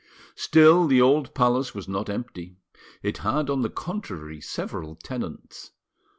Still, the old palace was not empty; it had, on the contrary, several tenants.